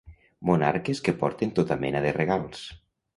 Monarques que porten tota mena de regals.